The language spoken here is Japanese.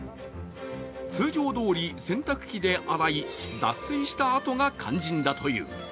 通常どおり洗濯機で洗い脱水したあとが肝心だという。